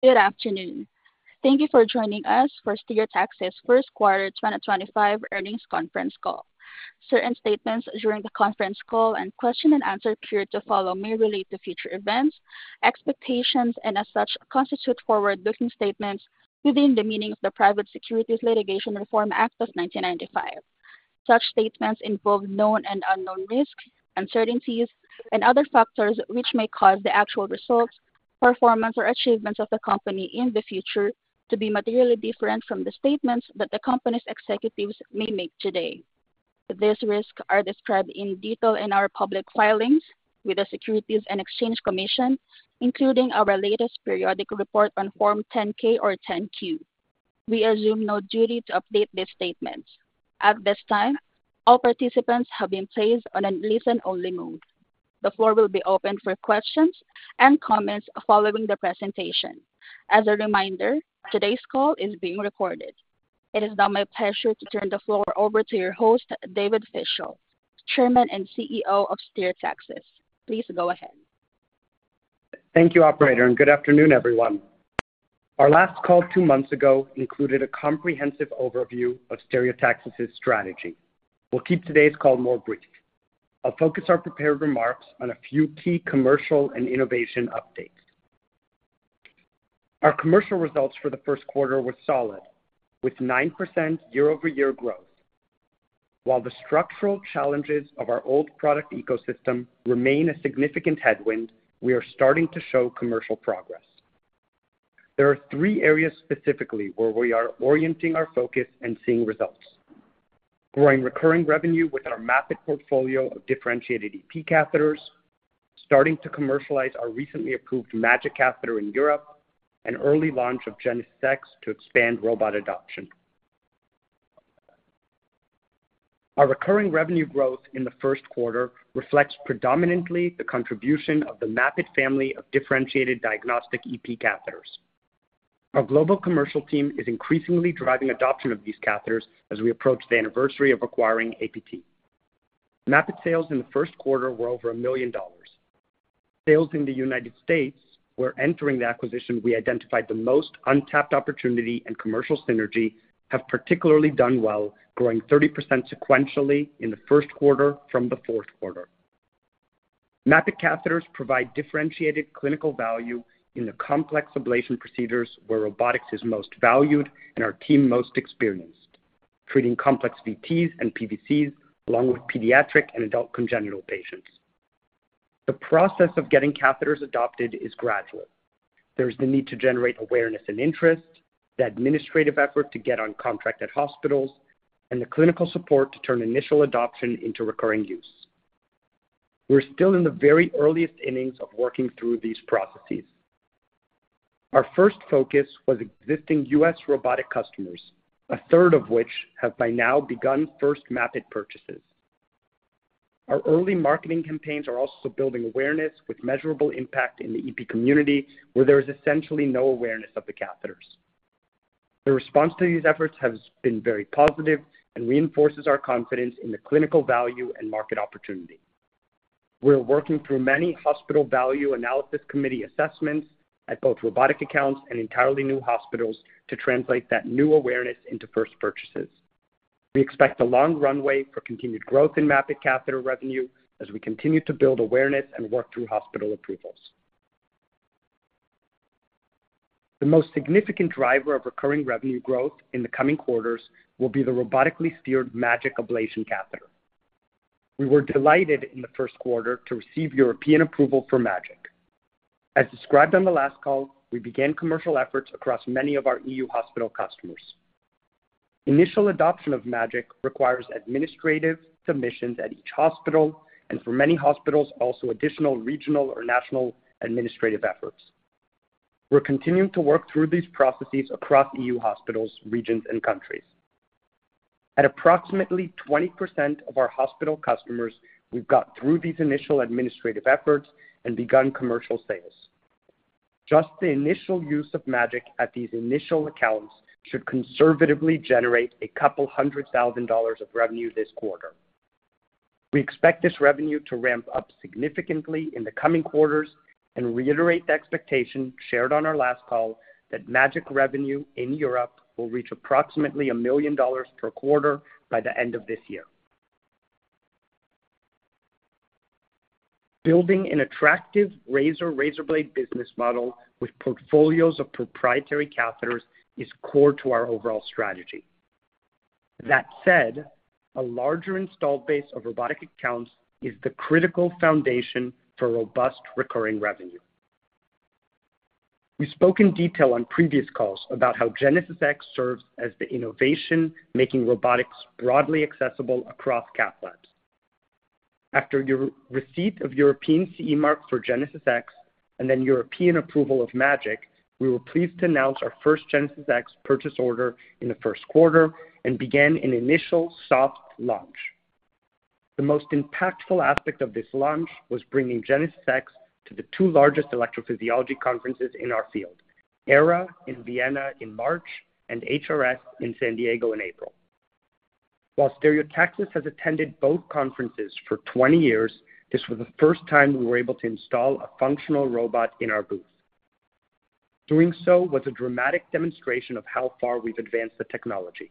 Good afternoon. Thank you for joining us for Stereotaxis' first quarter 2025 earnings conference call. Certain statements during the conference call and question-and-answer period to follow may relate to future events, expectations, and, as such, constitute forward-looking statements within the meaning of the Private Securities Litigation Reform Act of 1995. Such statements involve known and unknown risks, uncertainties, and other factors which may cause the actual results, performance, or achievements of the company in the future to be materially different from the statements that the company's executives may make today. These risks are described in detail in our public filings with the Securities and Exchange Commission, including our latest periodic report on Form 10-K or 10-Q. We assume no duty to update these statements. At this time, all participants have been placed on a listen-only mode. The floor will be open for questions and comments following the presentation. As a reminder, today's call is being recorded. It is now my pleasure to turn the floor over to your host, David Fischel, Chairman and CEO of Stereotaxis. Please go ahead. Thank you, Operator, and good afternoon, everyone. Our last call two months ago included a comprehensive overview of Stereotaxis' strategy. We'll keep today's call more brief. I'll focus our prepared remarks on a few key commercial and innovation updates. Our commercial results for the first quarter were solid, with 9% year-over-year growth. While the structural challenges of our old product ecosystem remain a significant headwind, we are starting to show commercial progress. There are three areas specifically where we are orienting our focus and seeing results: growing recurring revenue with our MAPIT portfolio of differentiated EP catheters, starting to commercialize our recently approved MAGIC catheter in Europe, and early launch of Genesys-X to expand robot adoption. Our recurring revenue growth in the first quarter reflects predominantly the contribution of the MAPIT family of differentiated diagnostic EP catheters. Our global commercial team is increasingly driving adoption of these catheters as we approach the anniversary of acquiring APT. MAPIT sales in the first quarter were over $1 million. Sales in the United States, where entering the acquisition we identified the most untapped opportunity and commercial synergy, have particularly done well, growing 30% sequentially in the first quarter from the fourth quarter. MAPIT catheters provide differentiated clinical value in the complex ablation procedures where robotics is most valued and our team most experienced, treating complex VTs and PVCs along with pediatric and adult congenital patients. The process of getting catheters adopted is gradual. There is the need to generate awareness and interest, the administrative effort to get on contract at hospitals, and the clinical support to turn initial adoption into recurring use. We're still in the very earliest innings of working through these processes. Our first focus was existing U.S. robotic customers, a third of which have by now begun first MAPIT purchases. Our early marketing campaigns are also building awareness with measurable impact in the EP community, where there is essentially no awareness of the catheters. The response to these efforts has been very positive and reinforces our confidence in the clinical value and market opportunity. We're working through many hospital value analysis committee assessments at both robotic accounts and entirely new hospitals to translate that new awareness into first purchases. We expect a long runway for continued growth in MAPIT catheter revenue as we continue to build awareness and work through hospital approvals. The most significant driver of recurring revenue growth in the coming quarters will be the robotically steered MAGIC ablation catheter. We were delighted in the first quarter to receive European approval for MAGIC. As described on the last call, we began commercial efforts across many of our EU hospital customers. Initial adoption of MAGIC requires administrative submissions at each hospital and, for many hospitals, also additional regional or national administrative efforts. We're continuing to work through these processes across EU hospitals, regions, and countries. At approximately 20% of our hospital customers, we've got through these initial administrative efforts and begun commercial sales. Just the initial use of MAGIC at these initial accounts should conservatively generate a couple hundred thousand dollars of revenue this quarter. We expect this revenue to ramp up significantly in the coming quarters and reiterate the expectation shared on our last call that MAGIC revenue in Europe will reach approximately $1 million per quarter by the end of this year. Building an attractive razor-razor blade business model with portfolios of proprietary catheters is core to our overall strategy. That said, a larger installed base of robotic accounts is the critical foundation for robust recurring revenue. We spoke in detail on previous calls about how Genesys-X serves as the innovation making robotics broadly accessible across cath labs. After receipt of European CE mark for Genesys-X and then European approval of MAGIC, we were pleased to announce our first Genesys-X purchase order in the first quarter and began an initial soft launch. The most impactful aspect of this launch was bringing Genesys-X to the two largest electrophysiology conferences in our field, ERA in Vienna in March and HRS in San Diego in April. While Stereotaxis has attended both conferences for 20 years, this was the first time we were able to install a functional robot in our booth. Doing so was a dramatic demonstration of how far we've advanced the technology.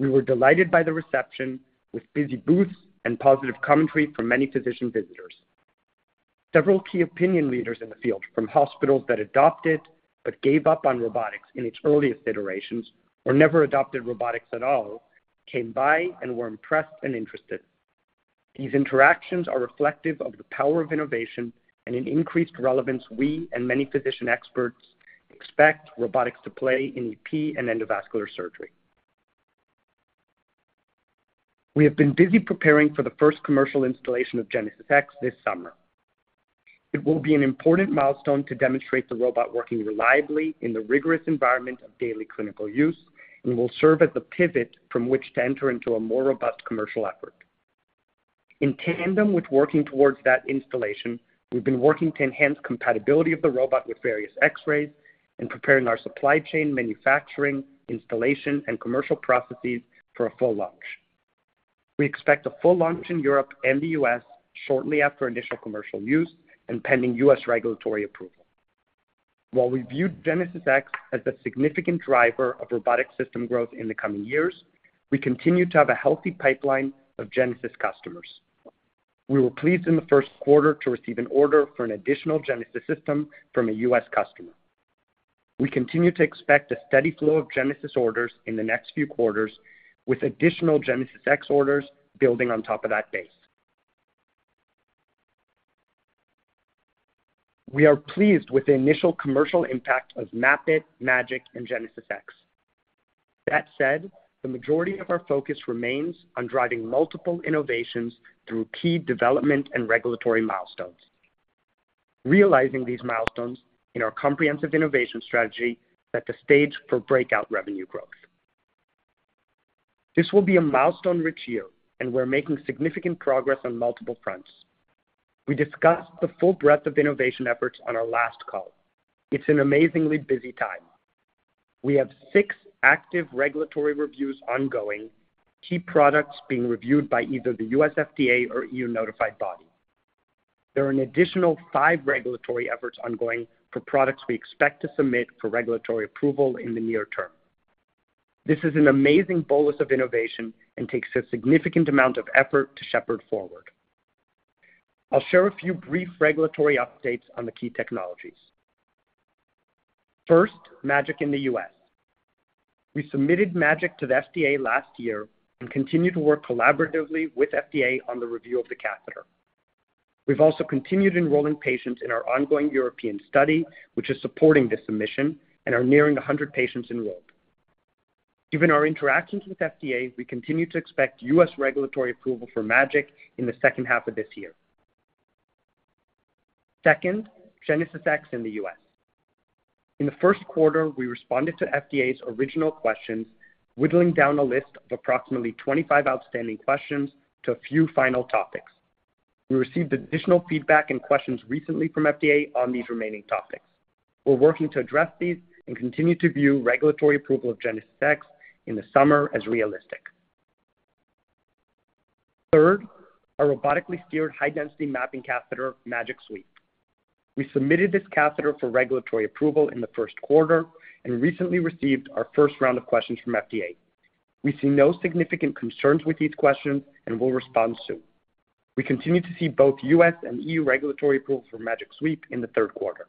We were delighted by the reception, with busy booths and positive commentary from many physician visitors. Several key opinion leaders in the field, from hospitals that adopted but gave up on robotics in its earliest iterations or never adopted robotics at all, came by and were impressed and interested. These interactions are reflective of the power of innovation and an increased relevance we and many physician experts expect robotics to play in EP and endovascular surgery. We have been busy preparing for the first commercial installation of Genesys-X this summer. It will be an important milestone to demonstrate the robot working reliably in the rigorous environment of daily clinical use and will serve as the pivot from which to enter into a more robust commercial effort. In tandem with working towards that installation, we've been working to enhance compatibility of the robot with various X-rays and preparing our supply chain, manufacturing, installation, and commercial processes for a full launch. We expect a full launch in Europe and the U.S. shortly after initial commercial use and pending U.S. regulatory approval. While we view Genesys-X as a significant driver of robotic system growth in the coming years, we continue to have a healthy pipeline of Genesys customers. We were pleased in the first quarter to receive an order for an additional Genesys system from a U.S. customer. We continue to expect a steady flow of Genesys orders in the next few quarters, with additional Genesys-X orders building on top of that base. We are pleased with the initial commercial impact of MAPIT, MAGIC, and Genesys-X. That said, the majority of our focus remains on driving multiple innovations through key development and regulatory milestones. Realizing these milestones in our comprehensive innovation strategy sets the stage for breakout revenue growth. This will be a milestone-rich year, and we're making significant progress on multiple fronts. We discussed the full breadth of innovation efforts on our last call. It's an amazingly busy time. We have six active regulatory reviews ongoing, key products being reviewed by either the U.S. FDA or EU-notified body. There are an additional five regulatory efforts ongoing for products we expect to submit for regulatory approval in the near term. This is an amazing bolus of innovation and takes a significant amount of effort to shepherd forward. I'll share a few brief regulatory updates on the key technologies. First, MAGIC in the U.S. We submitted MAGIC to the FDA last year and continue to work collaboratively with FDA on the review of the catheter. We've also continued enrolling patients in our ongoing European study, which is supporting this submission, and are nearing 100 patients enrolled. Given our interactions with FDA, we continue to expect U.S. regulatory approval for MAGIC in the second half of this year. Second, Genesys-X in the U.S. In the first quarter, we responded to FDA's original questions, whittling down a list of approximately 25 outstanding questions to a few final topics. We received additional feedback and questions recently from FDA on these remaining topics. We're working to address these and continue to view regulatory approval of Genesys-X in the summer as realistic. Third, our robotically steered high-density mapping catheter, MAGIC Suite. We submitted this catheter for regulatory approval in the first quarter and recently received our first round of questions from the FDA. We see no significant concerns with these questions and will respond soon. We continue to see both U.S. and EU regulatory approval for MAGIC Suite in the third quarter.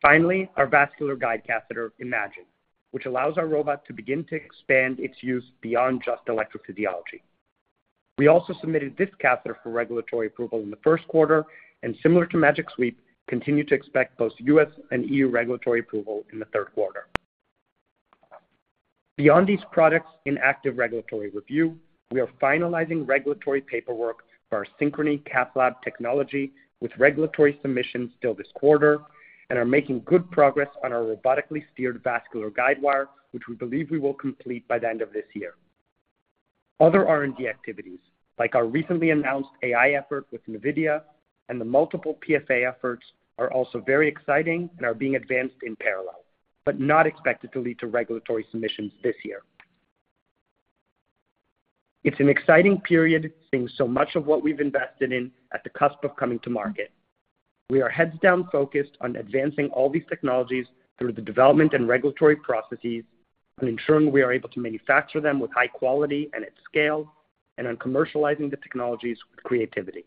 Finally, our vascular guide catheter, Imagine, which allows our robot to begin to expand its use beyond just electrophysiology. We also submitted this catheter for regulatory approval in the first quarter and, similar to MAGIC Suite, continue to expect both U.S. and EU regulatory approval in the third quarter. Beyond these products in active regulatory review, we are finalizing regulatory paperwork for our Synchrony cath lab technology with regulatory submissions still this quarter and are making good progress on our robotically steered vascular guidewire, which we believe we will complete by the end of this year. Other R&D activities, like our recently announced AI effort with NVIDIA and the multiple PFA efforts, are also very exciting and are being advanced in parallel, but not expected to lead to regulatory submissions this year. It's an exciting period seeing so much of what we've invested in at the cusp of coming to market. We are heads-down focused on advancing all these technologies through the development and regulatory processes, on ensuring we are able to manufacture them with high quality and at scale, and on commercializing the technologies with creativity.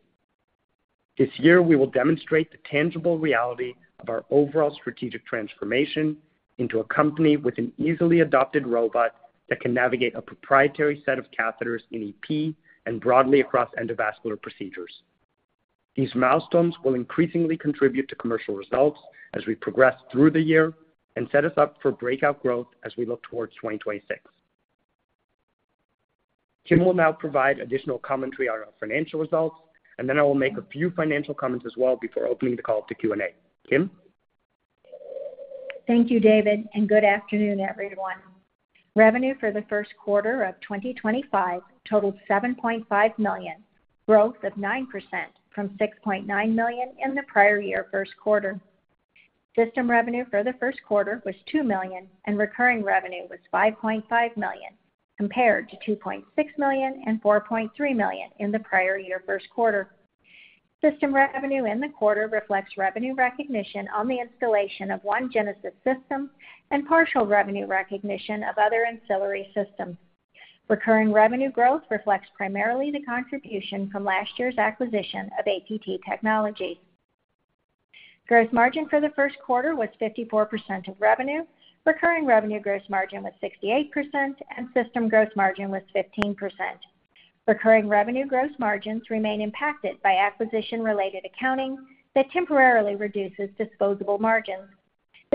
This year, we will demonstrate the tangible reality of our overall strategic transformation into a company with an easily adopted robot that can navigate a proprietary set of catheters in EP and broadly across endovascular procedures. These milestones will increasingly contribute to commercial results as we progress through the year and set us up for breakout growth as we look towards 2026. Kim will now provide additional commentary on our financial results, and then I will make a few financial comments as well before opening the call to Q&A. Kim? Thank you, David, and good afternoon, everyone. Revenue for the first quarter of 2025 totaled $7.5 million, growth of 9% from $6.9 million in the prior year first quarter. System revenue for the first quarter was $2 million, and recurring revenue was $5.5 million, compared to $2.6 million and $4.3 million in the prior year first quarter. System revenue in the quarter reflects revenue recognition on the installation of one Genesys system and partial revenue recognition of other ancillary systems. Recurring revenue growth reflects primarily the contribution from last year's acquisition of APT technology. Gross margin for the first quarter was 54% of revenue. Recurring revenue gross margin was 68%, and system gross margin was 15%. Recurring revenue gross margins remain impacted by acquisition-related accounting that temporarily reduces disposable margins.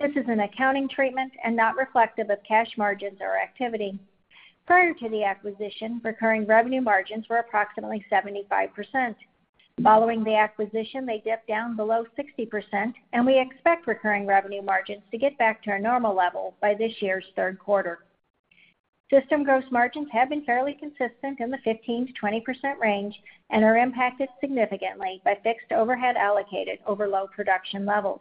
This is an accounting treatment and not reflective of cash margins or activity. Prior to the acquisition, recurring revenue margins were approximately 75%. Following the acquisition, they dipped down below 60%, and we expect recurring revenue margins to get back to our normal level by this year's third quarter. System gross margins have been fairly consistent in the 15%-20% range and are impacted significantly by fixed overhead allocated over low production levels.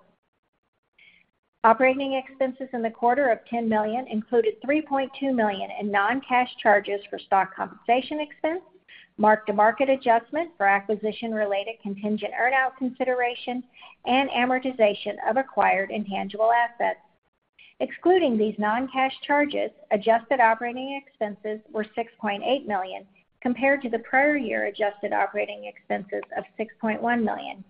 Operating expenses in the quarter of $10 million included $3.2 million in non-cash charges for stock compensation expense, mark-to-market adjustment for acquisition-related contingent earnout consideration, and amortization of acquired intangible assets. Excluding these non-cash charges, adjusted operating expenses were $6.8 million compared to the prior year adjusted operating expenses of $6.1 million.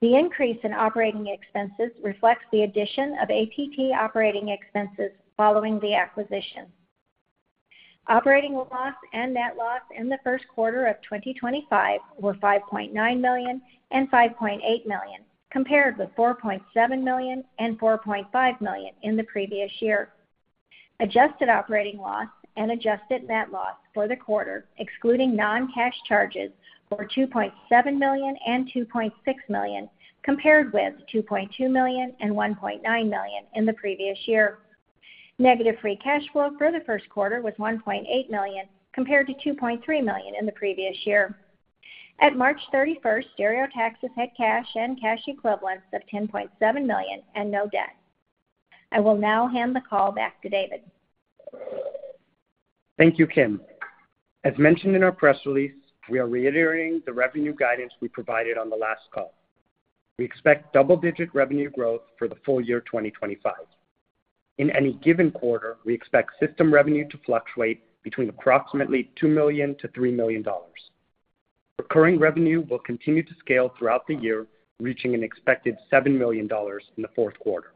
The increase in operating expenses reflects the addition of APT operating expenses following the acquisition. Operating loss and net loss in the first quarter of 2025 were $5.9 million and $5.8 million, compared with $4.7 million and $4.5 million in the previous year. Adjusted operating loss and adjusted net loss for the quarter, excluding non-cash charges, were $2.7 million and $2.6 million, compared with $2.2 million and $1.9 million in the previous year. Negative free cash flow for the first quarter was $1.8 million compared to $2.3 million in the previous year. At March 31, Stereotaxis had cash and cash equivalents of $10.7 million and no debt. I will now hand the call back to David. Thank you, Kim.As mentioned in our press release, we are reiterating the revenue guidance we provided on the last call. We expect double-digit revenue growth for the full year 2025. In any given quarter, we expect system revenue to fluctuate between approximately $2 million-$3 million. Recurring revenue will continue to scale throughout the year, reaching an expected $7 million in the fourth quarter.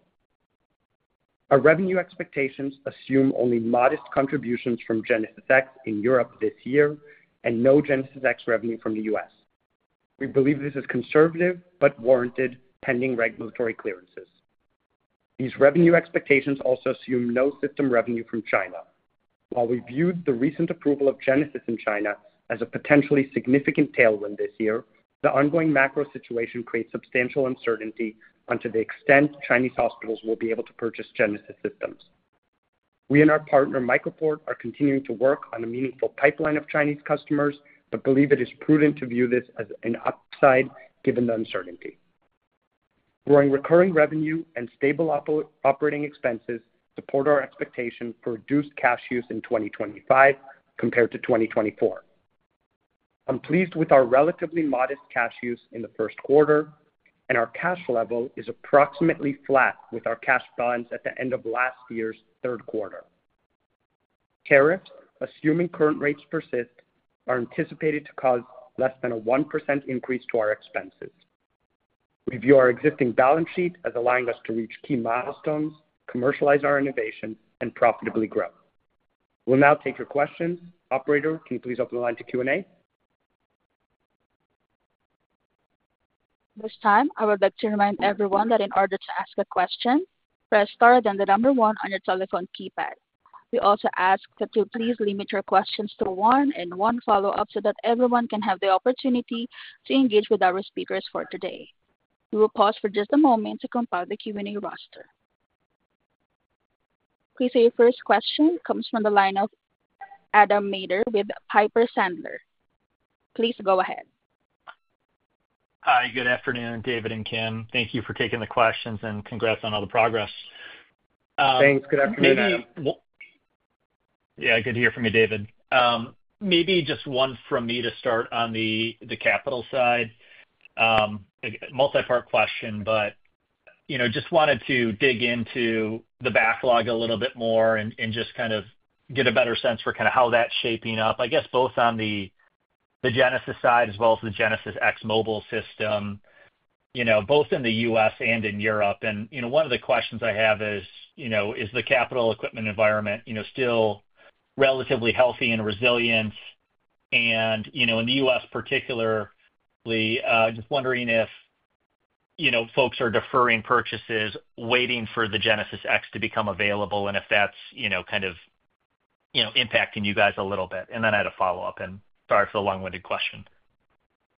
Our revenue expectations assume only modest contributions from Genesys-X in Europe this year and no Genesys-X revenue from the U.S. We believe this is conservative but warranted pending regulatory clearances. These revenue expectations also assume no system revenue from China. While we viewed the recent approval of Genesys in China as a potentially significant tailwind this year, the ongoing macro situation creates substantial uncertainty onto the extent Chinese hospitals will be able to purchase Genesys systems. We and our partner, MicroPort, are continuing to work on a meaningful pipeline of Chinese customers but believe it is prudent to view this as an upside given the uncertainty. Growing recurring revenue and stable operating expenses support our expectation for reduced cash use in 2025 compared to 2024. I'm pleased with our relatively modest cash use in the first quarter, and our cash level is approximately flat with our cash balance at the end of last year's third quarter. Tariffs, assuming current rates persist, are anticipated to cause less than a 1% increase to our expenses. We view our existing balance sheet as allowing us to reach key milestones, commercialize our innovation, and profitably grow. We'll now take your questions. Operator, can you please open the line to Q&A? This time, I would like to remind everyone that in order to ask a question, press star and then the number one on your telephone keypad. We also ask that you please limit your questions to one and one follow-up so that everyone can have the opportunity to engage with our speakers for today. We will pause for just a moment to compile the Q&A roster. Please say your first question comes from the line of Adam Maeder with Piper Sandler. Please go ahead. Hi, good afternoon, Dave and Kim. Thank you for taking the questions and congrats on all the progress. Thanks, good afternoon. Yeah, good to hear from you, David. Maybe just one from me to start on the capital side. Multi-part question, but just wanted to dig into the backlog a little bit more and just kind of get a better sense for kind of how that's shaping up. I guess both on the Genesys side as well as the Genesys-X mobile system, both in the U.S. and in Europe. One of the questions I have is, is the capital equipment environment still relatively healthy and resilient? In the U.S., particularly, just wondering if folks are deferring purchases, waiting for the Genesys-X to become available, and if that's kind of impacting you guys a little bit. I had a follow-up, and sorry for the long-winded question.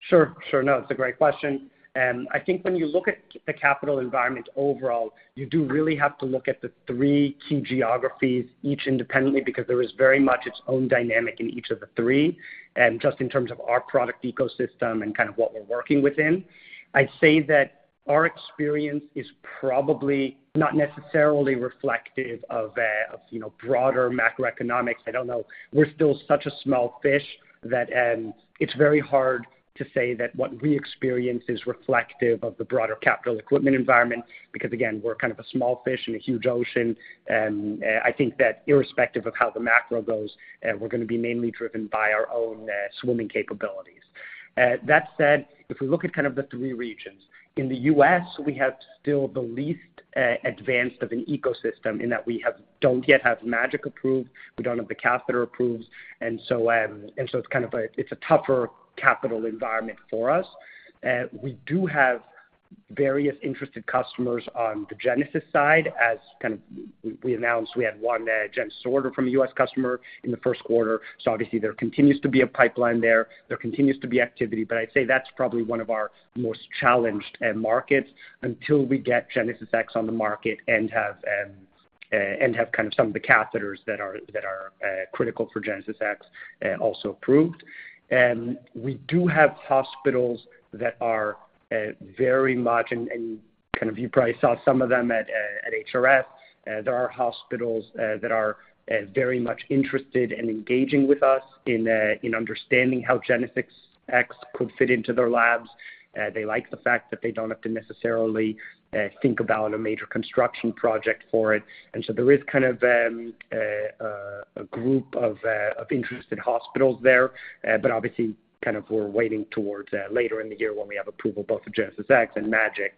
Sure, sure. No, it's a great question. I think when you look at the capital environment overall, you do really have to look at the three key geographies each independently because there is very much its own dynamic in each of the three, just in terms of our product ecosystem and kind of what we're working within. I'd say that our experience is probably not necessarily reflective of broader macroeconomics. I don't know. We're still such a small fish that it's very hard to say that what we experience is reflective of the broader capital equipment environment because, again, we're kind of a small fish in a huge ocean. I think that irrespective of how the macro goes, we're going to be mainly driven by our own swimming capabilities. That said, if we look at kind of the three regions, in the U.S., we have still the least advanced of an ecosystem in that we do not yet have MAGIC approved. We do not have the catheter approved. It is kind of a tougher capital environment for us. We do have various interested customers on the Genesys side. As kind of we announced, we had one Genesys order from a U.S. customer in the first quarter. Obviously, there continues to be a pipeline there. There continues to be activity. I would say that is probably one of our most challenged markets until we get Genesys-X on the market and have some of the catheters that are critical for Genesys-X also approved. We do have hospitals that are very much, and you probably saw some of them at HRS. There are hospitals that are very much interested and engaging with us in understanding how Genesys-X could fit into their labs. They like the fact that they do not have to necessarily think about a major construction project for it. There is kind of a group of interested hospitals there. Obviously, we are waiting towards later in the year when we have approval both of Genesys-X and MAGIC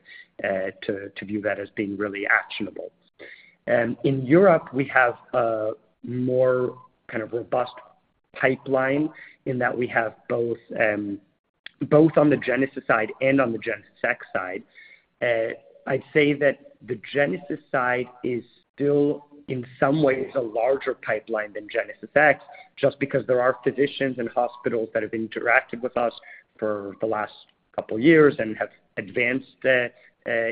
to view that as being really actionable. In Europe, we have a more kind of robust pipeline in that we have both on the Genesys side and on the Genesys-X side. I would say that the Genesys side is still in some ways a larger pipeline than Genesys-X just because there are physicians and hospitals that have interacted with us for the last couple of years and have advanced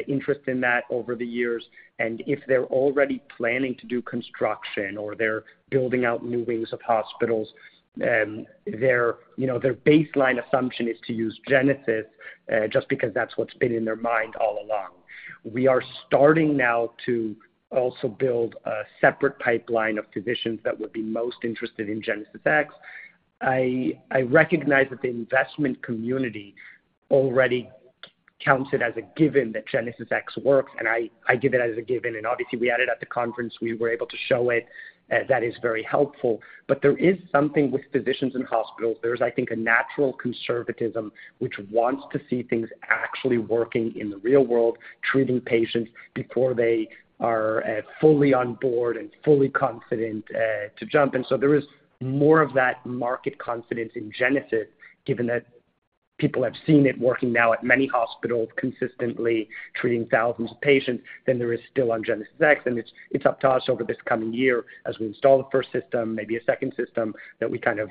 interest in that over the years. If they're already planning to do construction or they're building out new wings of hospitals, their baseline assumption is to use Genesys just because that's what's been in their mind all along. We are starting now to also build a separate pipeline of physicians that would be most interested in Genesys-X. I recognize that the investment community already counts it as a given that Genesys-X works, and I give it as a given. Obviously, we added at the conference, we were able to show it. That is very helpful. There is something with physicians and hospitals. There is, I think, a natural conservatism which wants to see things actually working in the real world, treating patients before they are fully on board and fully confident to jump. There is more of that market confidence in Genesys given that people have seen it working now at many hospitals consistently treating thousands of patients than there is still on Genesys-X. It is up to us over this coming year as we install the first system, maybe a second system, that we kind of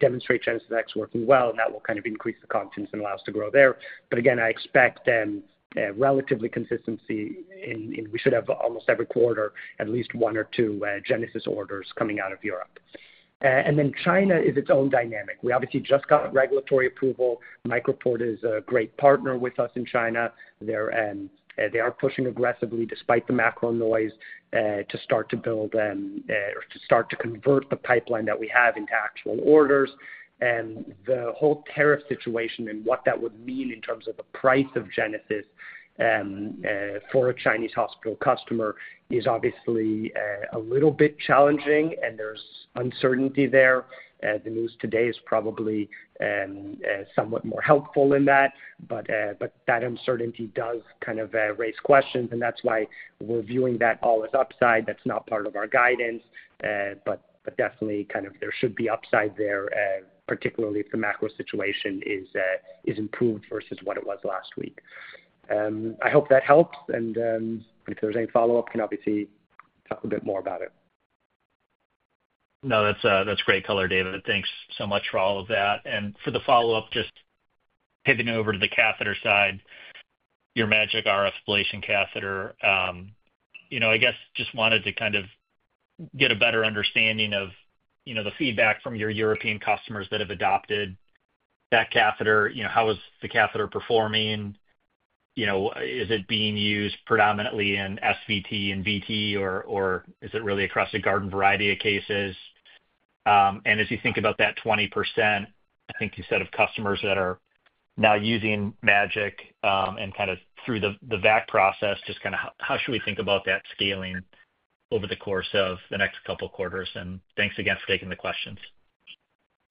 demonstrate Genesys-X working well, and that will kind of increase the confidence and allow us to grow there. Again, I expect relatively consistency in we should have almost every quarter at least one or two Genesys orders coming out of Europe. China is its own dynamic. We obviously just got regulatory approval. MicroPort is a great partner with us in China. They are pushing aggressively despite the macro noise to start to build or to start to convert the pipeline that we have into actual orders. The whole tariff situation and what that would mean in terms of the price of Genesys for a Chinese hospital customer is obviously a little bit challenging, and there is uncertainty there. The news today is probably somewhat more helpful in that. That uncertainty does kind of raise questions, and that is why we are viewing that all as upside. That is not part of our guidance, but definitely there should be upside there, particularly if the macro situation is improved versus what it was last week. I hope that helps. If there is any follow-up, can obviously talk a bit more about it. No, that is great color, David. Thanks so much for all of that. For the follow-up, just pivoting over to the catheter side, your MAGIC RF ablation catheter. I guess just wanted to kind of get a better understanding of the feedback from your European customers that have adopted that catheter. How is the catheter performing? Is it being used predominantly in SVT and VT, or is it really across a garden variety of cases? As you think about that 20%, I think you said of customers that are now using MAGIC and kind of through the VAC process, just kind of how should we think about that scaling over the course of the next couple of quarters? Thanks again for taking the questions.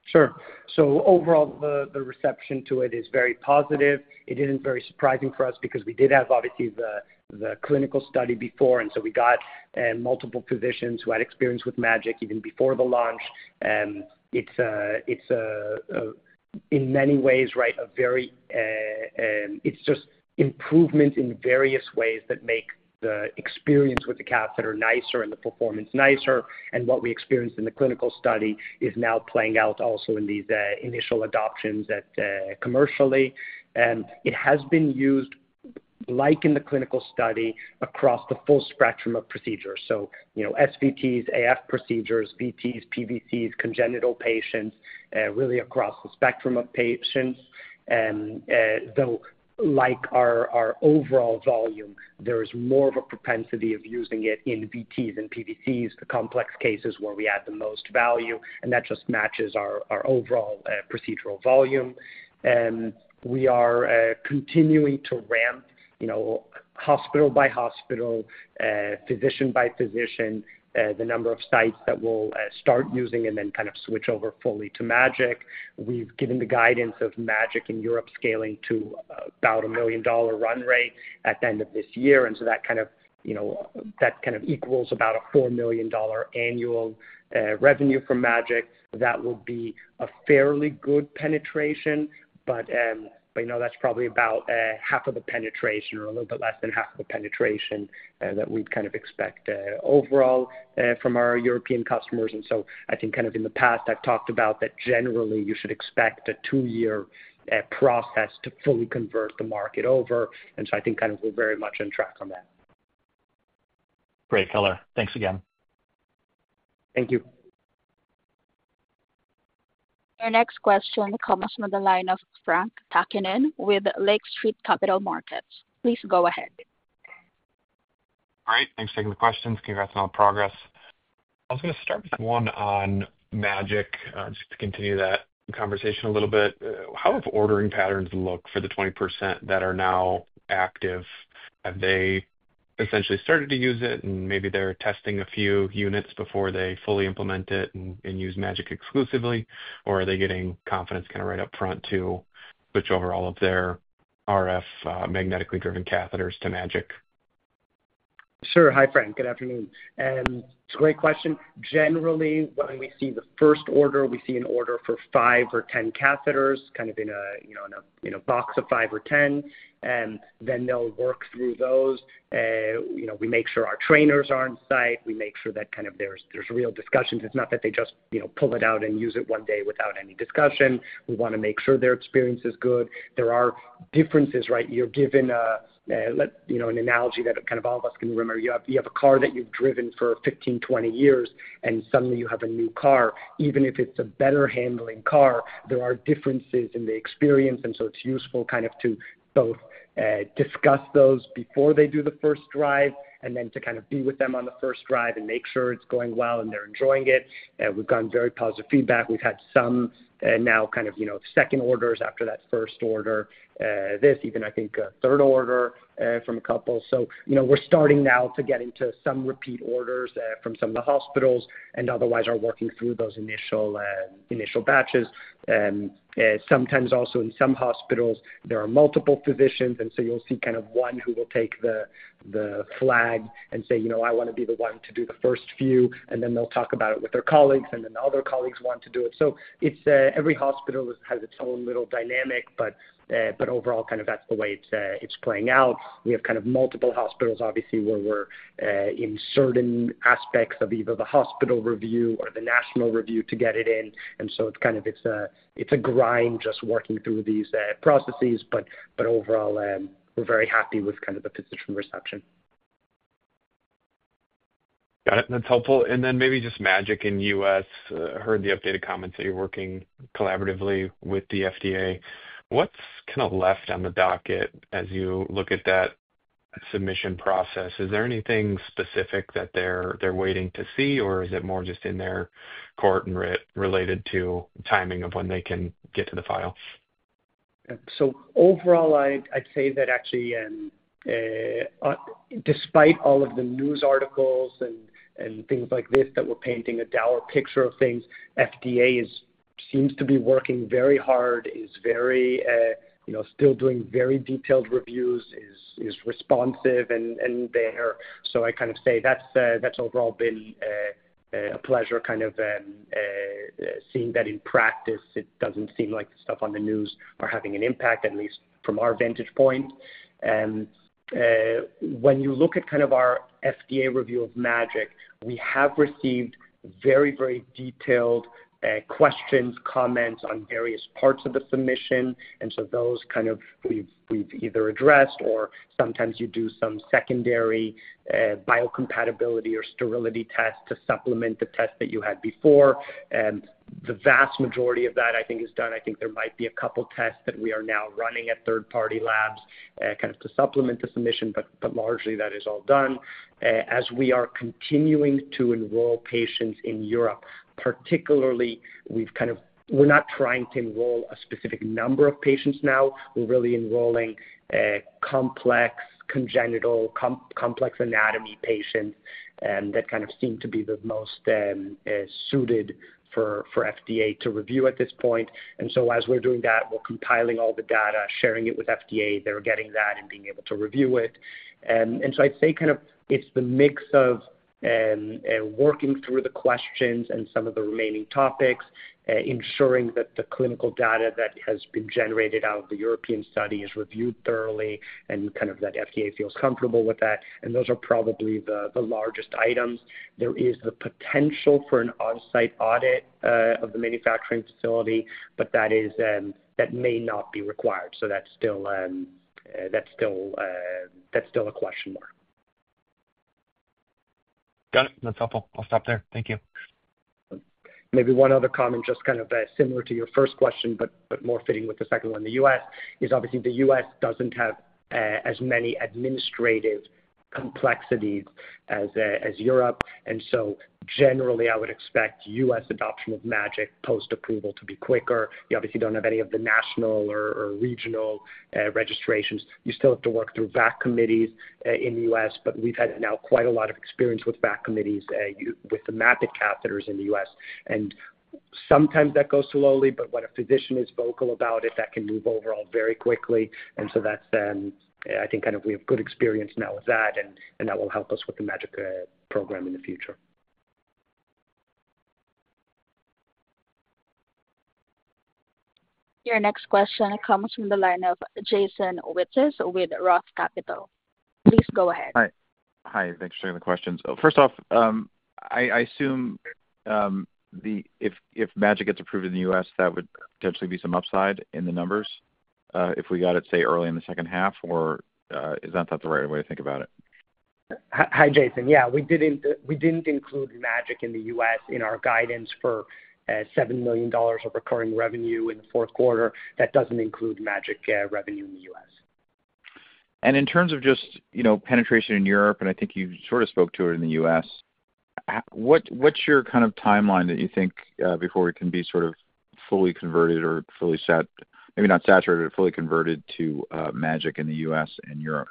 Sure. Overall, the reception to it is very positive. It isn't very surprising for us because we did have obviously the clinical study before, and we got multiple physicians who had experience with MAGIC even before the launch. It's in many ways, right, a very, it's just improvements in various ways that make the experience with the catheter nicer and the performance nicer. What we experienced in the clinical study is now playing out also in these initial adoptions commercially. It has been used like in the clinical study across the full spectrum of procedures. SVTs, AF procedures, VTs, PVCs, congenital patients, really across the spectrum of patients. Though like our overall volume, there is more of a propensity of using it in VTs and PVCs, the complex cases where we add the most value, and that just matches our overall procedural volume. We are continuing to ramp hospital by hospital, physician by physician, the number of sites that will start using and then kind of switch over fully to MAGIC. We've given the guidance of MAGIC in Europe scaling to about a $1 million run rate at the end of this year. That kind of equals about a $4 million annual revenue from MAGIC. That would be a fairly good penetration, but that's probably about half of the penetration or a little bit less than half of the penetration that we'd kind of expect overall from our European customers. I think in the past, I've talked about that generally you should expect a two-year process to fully convert the market over. I think we're very much on track on that. Great color. Thanks again. Thank you. Our next question comes from the line of Frank Takkinen with Lake Street Capital Markets. Please go ahead. All right. Thanks for taking the questions. Congrats on all the progress. I was going to start with one on MAGIC just to continue that conversation a little bit. How have ordering patterns looked for the 20% that are now active? Have they essentially started to use it, and maybe they're testing a few units before they fully implement it and use MAGIC exclusively, or are they getting confidence kind of right up front to switch over all of their RF magnetically driven catheters to MAGIC? Sure. Hi, Frank. Good afternoon. It's a great question. Generally, when we see the first order, we see an order for five or ten catheters kind of in a box of five or ten, and then they'll work through those. We make sure our trainers are on site. We make sure that kind of there's real discussions. It's not that they just pull it out and use it one day without any discussion. We want to make sure their experience is good. There are differences, right? You're given an analogy that kind of all of us can remember. You have a car that you've driven for 15, 20 years, and suddenly you have a new car. Even if it's a better handling car, there are differences in the experience. It is useful kind of to both discuss those before they do the first drive and then to kind of be with them on the first drive and make sure it's going well and they're enjoying it. We've gotten very positive feedback. We've had some now kind of second orders after that first order, this even I think third order from a couple. We are starting now to get into some repeat orders from some hospitals and otherwise are working through those initial batches. Sometimes also in some hospitals, there are multiple physicians, and you'll see kind of one who will take the flag and say, "I want to be the one to do the first few," and then they'll talk about it with their colleagues, and then the other colleagues want to do it. Every hospital has its own little dynamic, but overall kind of that's the way it's playing out. We have kind of multiple hospitals obviously where we're in certain aspects of either the hospital review or the national review to get it in. It's a grind just working through these processes, but overall, we're very happy with kind of the physician reception. Got it. That's helpful. Maybe just MAGIC in the U.S. Heard the updated comments that you're working collaboratively with the FDA. What's kind of left on the docket as you look at that submission process? Is there anything specific that they're waiting to see, or is it more just in their court and related to timing of when they can get to the file? Overall, I'd say that actually despite all of the news articles and things like this that were painting a dour picture of things, FDA seems to be working very hard, is still doing very detailed reviews, is responsive, and they're so I kind of say that's overall been a pleasure kind of seeing that in practice. It doesn't seem like the stuff on the news are having an impact, at least from our vantage point. When you look at kind of our FDA review of MAGIC, we have received very, very detailed questions, comments on various parts of the submission. Those kind of we've either addressed or sometimes you do some secondary biocompatibility or sterility tests to supplement the test that you had before. The vast majority of that I think is done. I think there might be a couple of tests that we are now running at third-party labs kind of to supplement the submission, but largely that is all done. As we are continuing to enroll patients in Europe, particularly we've kind of we're not trying to enroll a specific number of patients now. We're really enrolling complex congenital, complex anatomy patients that kind of seem to be the most suited for FDA to review at this point. As we're doing that, we're compiling all the data, sharing it with FDA, they're getting that and being able to review it. I'd say kind of it's the mix of working through the questions and some of the remaining topics, ensuring that the clinical data that has been generated out of the European study is reviewed thoroughly and kind of that the FDA feels comfortable with that. Those are probably the largest items. There is the potential for an on-site audit of the manufacturing facility, but that may not be required. That's still a question mark. Got it. That's helpful. I'll stop there. Thank you. Maybe one other comment just kind of similar to your first question, but more fitting with the second one in the U.S. is obviously the U.S. doesn't have as many administrative complexities as Europe. Generally, I would expect U.S. adoption of MAGIC post-approval to be quicker. You obviously don't have any of the national or regional registrations. You still have to work through VAC committees in the U.S., but we've had now quite a lot of experience with VAC committees with the MAPIT catheters in the U.S. Sometimes that goes slowly, but when a physician is vocal about it, that can move overall very quickly. I think we have good experience now with that, and that will help us with the MAGIC program in the future. Your next question comes from the line of Jason Wittes with ROTH Capital. Please go ahead. Hi. Thanks for sharing the questions. First off, I assume if MAGIC gets approved in the U.S., that would potentially be some upside in the numbers if we got it, say, early in the second half, or is that the right way to think about it? Hi, Jason. Yeah. We didn't include MAGIC in the U.S. In our guidance for $7 million of recurring revenue in the fourth quarter. That doesn't include MAGIC revenue in the U.S. In terms of just penetration in Europe, and I think you sort of spoke to it in the U.S., what's your kind of timeline that you think before we can be sort of fully converted or fully sat, maybe not saturated, but fully converted to MAGIC in the U.S. and Europe?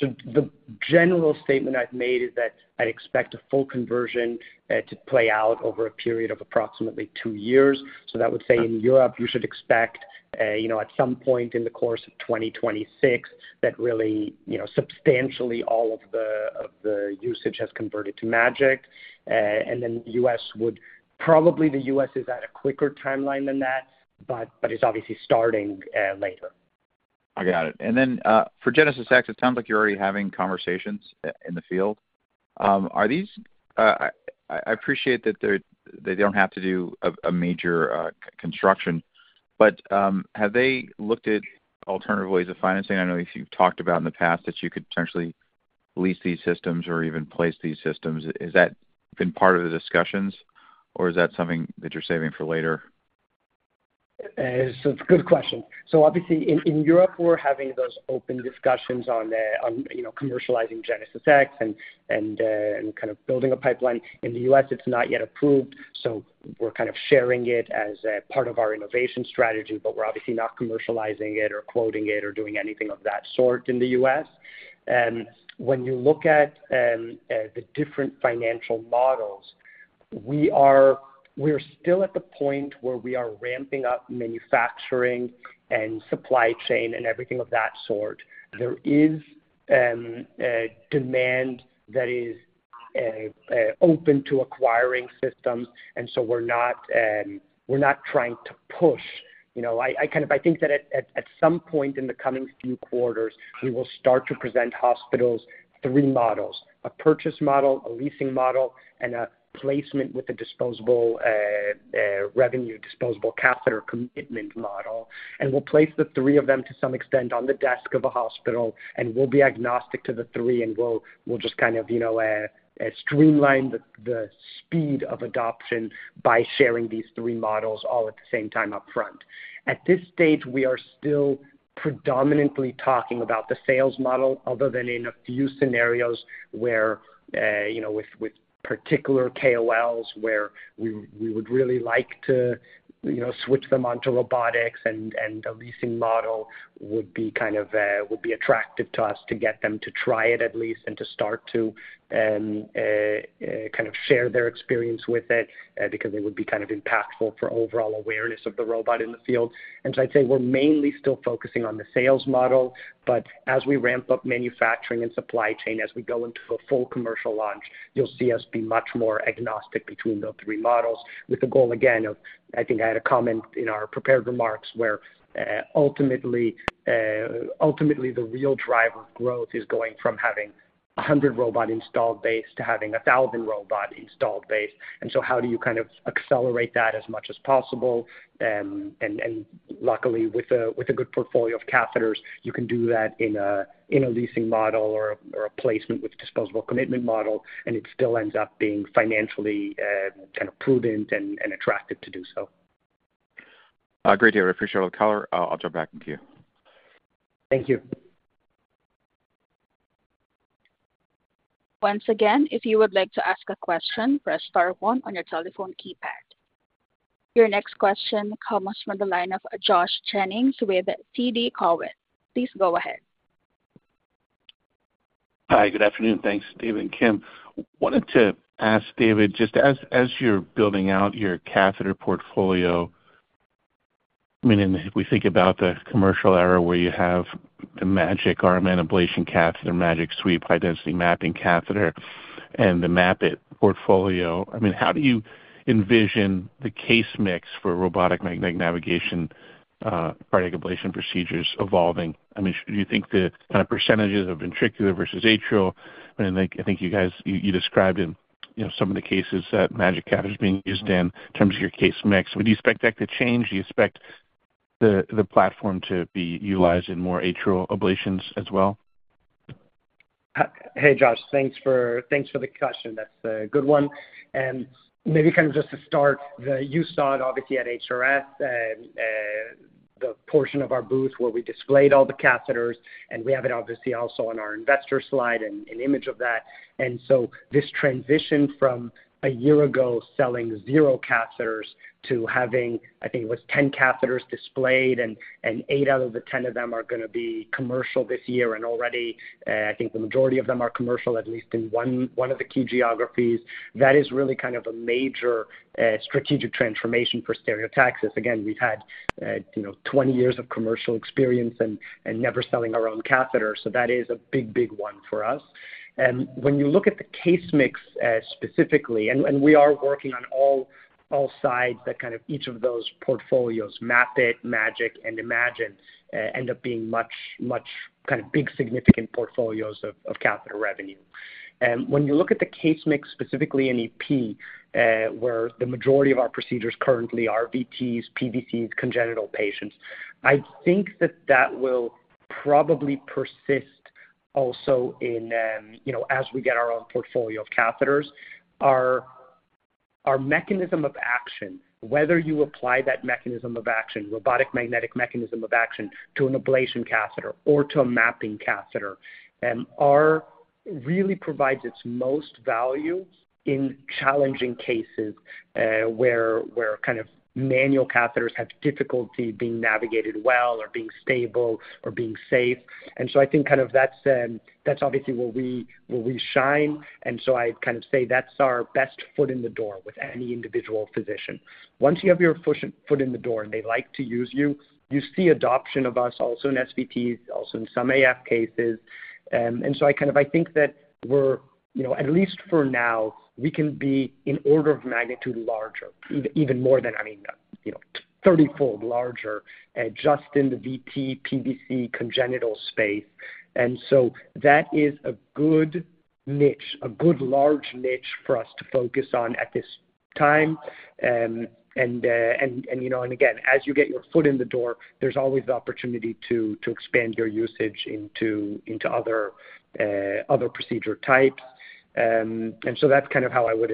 The general statement I've made is that I'd expect a full conversion to play out over a period of approximately two years. That would say in Europe, you should expect at some point in the course of 2026 that really substantially all of the usage has converted to MAGIC. The U.S. would probably, the U.S. is at a quicker timeline than that, but it's obviously starting later. I got it. For Genesys-X, it sounds like you're already having conversations in the field. I appreciate that they don't have to do a major construction, but have they looked at alternative ways of financing? I know you've talked about in the past that you could potentially lease these systems or even place these systems. Has that been part of the discussions, or is that something that you're saving for later? It's a good question. Obviously in Europe, we're having those open discussions on commercializing Genesys-X and kind of building a pipeline. In the U.S., it's not yet approved. We're kind of sharing it as part of our innovation strategy, but we're obviously not commercializing it or quoting it or doing anything of that sort in the U.S. When you look at the different financial models, we are still at the point where we are ramping up manufacturing and supply chain and everything of that sort. There is demand that is open to acquiring systems, and so we're not trying to push. I kind of think that at some point in the coming few quarters, we will start to present hospitals three models: a purchase model, a leasing model, and a placement with a disposable revenue, disposable catheter commitment model. We will place the three of them to some extent on the desk of a hospital, and we will be agnostic to the three, and we will just kind of streamline the speed of adoption by sharing these three models all at the same time upfront. At this stage, we are still predominantly talking about the sales model other than in a few scenarios where with particular KOLs where we would really like to switch them onto robotics, and the leasing model would be kind of would be attractive to us to get them to try it at least and to start to kind of share their experience with it because it would be kind of impactful for overall awareness of the robot in the field. I'd say we're mainly still focusing on the sales model, but as we ramp up manufacturing and supply chain, as we go into a full commercial launch, you'll see us be much more agnostic between those three models with the goal, again, of I think I had a comment in our prepared remarks where ultimately the real driver of growth is going from having 100 robot installed base to having 1,000 robot installed base. How do you kind of accelerate that as much as possible? Luckily, with a good portfolio of catheters, you can do that in a leasing model or a placement with disposable commitment model, and it still ends up being financially kind of prudent and attractive to do so. Great deal. Appreciate all the color. I'll jump back into you. Thank you. Once again, if you would like to ask a question, press star one on your telephone keypad. Your next question comes from the line of Josh Jennings with TD Cowen. Please go ahead. Hi. Good afternoon. Thanks, David and Kim. Wanted to ask David, just as you're building out your catheter portfolio, I mean, if we think about the commercial era where you have the MAGIC RMN ablation catheter, MAGIC Sweep high-density mapping catheter, and the MAPIT portfolio, I mean, how do you envision the case mix for robotic magnetic navigation cardiac ablation procedures evolving? I mean, do you think the kind of percentages of ventricular versus atrial? I mean, I think you described in some of the cases that MAGIC catheter is being used in terms of your case mix. Would you expect that to change? Do you expect the platform to be utilized in more atrial ablations as well? Hey, Josh, thanks for the question. That's a good one. Maybe kind of just to start, you saw it obviously at HRS, the portion of our booth where we displayed all the catheters, and we have it obviously also on our investor slide and image of that. This transition from a year ago selling zero catheters to having, I think it was 10 catheters displayed, and 8 out of the 10 of them are going to be commercial this year, and already I think the majority of them are commercial at least in one of the key geographies. That is really kind of a major strategic transformation for Stereotaxis. Again, we've had 20 years of commercial experience and never selling our own catheter. That is a big, big one for us. When you look at the case mix specifically, and we are working on all sides that kind of each of those portfolios, MAPIT, MAGIC, and Imagine, end up being much kind of big significant portfolios of catheter revenue. When you look at the case mix specifically in EP, where the majority of our procedures currently are VTs, PVCs, congenital patients, I think that that will probably persist also as we get our own portfolio of catheters. Our mechanism of action, whether you apply that mechanism of action, robotic magnetic mechanism of action to an ablation catheter or to a mapping catheter, really provides its most value in challenging cases where kind of manual catheters have difficulty being navigated well or being stable or being safe. I think kind of that's obviously where we shine. I'd kind of say that's our best foot in the door with any individual physician. Once you have your foot in the door and they like to use you, you see adoption of us also in SVTs, also in some AF cases. I kind of think that we're, at least for now, we can be in order of magnitude larger, even more than, I mean, 30-fold larger just in the VT, PVC, congenital space. That is a good niche, a good large niche for us to focus on at this time. Again, as you get your foot in the door, there's always the opportunity to expand your usage into other procedure types. That's kind of how I would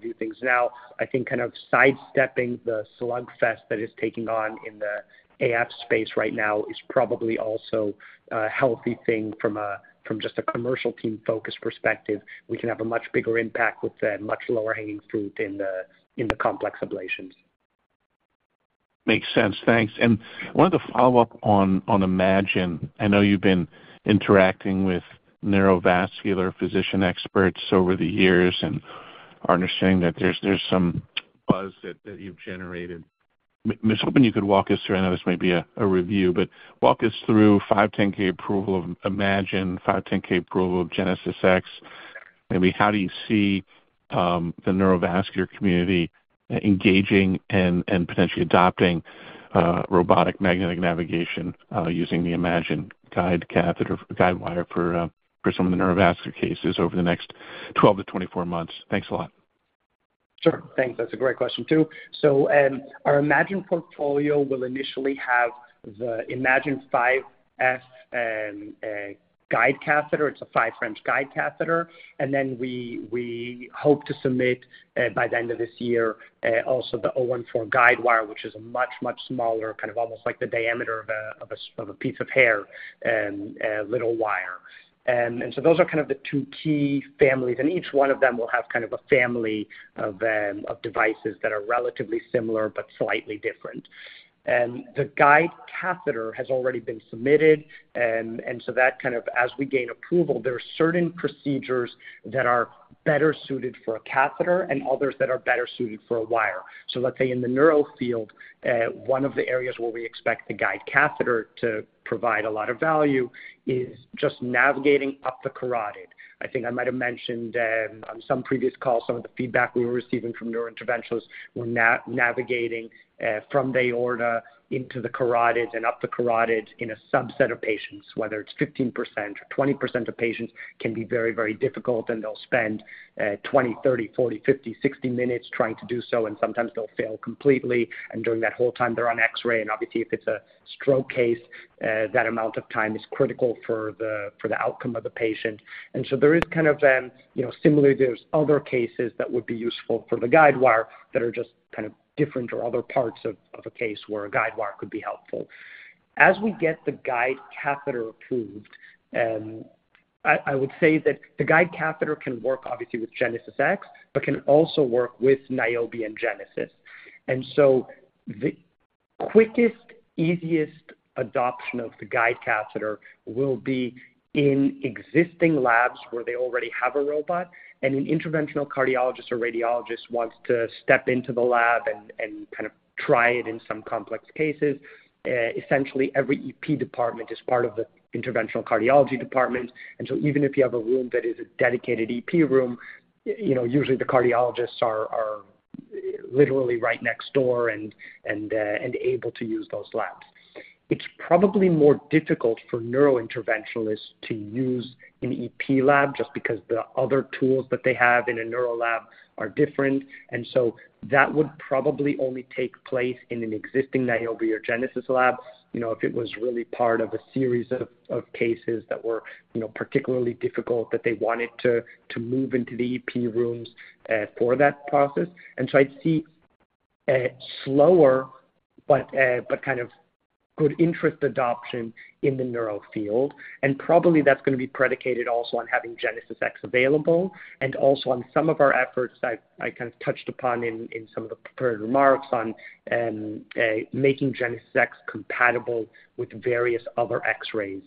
view things now. I think kind of sidestepping the slugfest that is taking on in the AF space right now is probably also a healthy thing from just a commercial team focus perspective. We can have a much bigger impact with much lower hanging fruit in the complex ablations. Makes sense. Thanks. I wanted to follow up on Imagine. I know you've been interacting with neurovascular physician experts over the years and are understanding that there's some buzz that you've generated. I was hoping you could walk us through, I know this may be a review, but walk us through approval of Imagine, approval of Genesys-X. Maybe how do you see the neurovascular community engaging and potentially adopting robotic magnetic navigation using the Imagine guide catheter guidewire for some of the neurovascular cases over the next 12 months-24 months? Thanks a lot. Sure. Thanks. That's a great question too. Our Imagine portfolio will initially have the Imagine 5F guide catheter. It's a 5 French guide catheter. We hope to submit by the end of this year also the 014 guidewire, which is a much, much smaller, kind of almost like the diameter of a piece of hair, little wire. Those are kind of the two key families. Each one of them will have kind of a family of devices that are relatively similar but slightly different. The guide catheter has already been submitted. As we gain approval, there are certain procedures that are better suited for a catheter and others that are better suited for a wire. Let's say in the neuro field, one of the areas where we expect the guide catheter to provide a lot of value is just navigating up the carotid. I think I might have mentioned on some previous call, some of the feedback we were receiving from neurointerventionals was navigating from the aorta into the carotid and up the carotid in a subset of patients, whether it's 15% or 20% of patients, can be very, very difficult, and they'll spend 20-30-40-50-60 minutes trying to do so, and sometimes they'll fail completely. During that whole time, they're on X-ray. Obviously, if it's a stroke case, that amount of time is critical for the outcome of the patient. There is kind of similarly, there's other cases that would be useful for the guidewire that are just kind of different or other parts of a case where a guidewire could be helpful. As we get the guide catheter approved, I would say that the guide catheter can work obviously with Genesys-X, but can also work with Niobe and Genesys. The quickest, easiest adoption of the guide catheter will be in existing labs where they already have a robot. An interventional cardiologist or radiologist wants to step into the lab and kind of try it in some complex cases. Essentially, every EP department is part of the interventional cardiology department. Even if you have a room that is a dedicated EP room, usually the cardiologists are literally right next door and able to use those labs. It's probably more difficult for neurointerventionalists to use an EP lab just because the other tools that they have in a neuro lab are different. That would probably only take place in an existing Niobe or Genesys lab if it was really part of a series of cases that were particularly difficult that they wanted to move into the EP rooms for that process. I'd see slower, but kind of good interest adoption in the neuro field. Probably that's going to be predicated also on having Genesys-X available and also on some of our efforts I kind of touched upon in some of the prepared remarks on making Genesys-X compatible with various other X-rays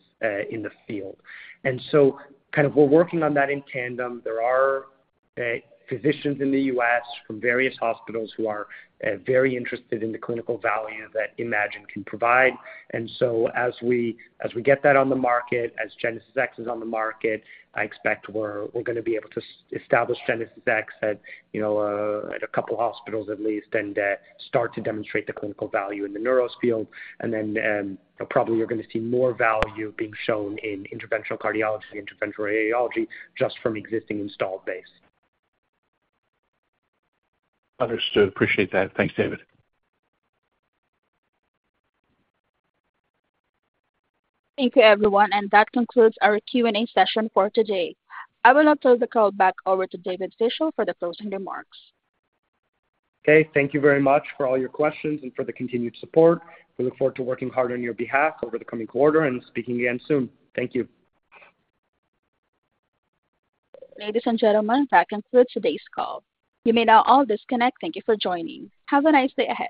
in the field. We're working on that in tandem. There are physicians in the U.S. from various hospitals who are very interested in the clinical value that Imagine can provide. As we get that on the market, as Genesys-X is on the market, I expect we're going to be able to establish Genesys-X at a couple of hospitals at least and start to demonstrate the clinical value in the neuro field. Probably you're going to see more value being shown in interventional cardiology, interventional radiology just from existing installed base. Understood. Appreciate that. Thanks, David. Thank you, everyone. That concludes our Q&A session for today. I will now turn the call back over to David Fischel for the closing remarks. Okay. Thank you very much for all your questions and for the continued support. We look forward to working hard on your behalf over the coming quarter and speaking again soon. Thank you. Ladies and gentlemen, that concludes today's call. You may now all disconnect. Thank you for joining. Have a nice day.